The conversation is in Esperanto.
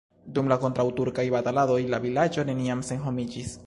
Dum la kontraŭturkaj bataladoj la vilaĝo neniam senhomiĝis.